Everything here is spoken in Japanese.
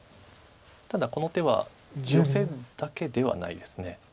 ただこの手はヨセだけではないです。